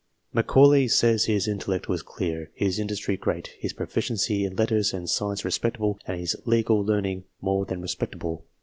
Macaulay says his in BETWEEN 1660 AND 1865 67 tellect was clear, his industry great, his proficiency in letters and science respectable, and his legal learning more than respectable.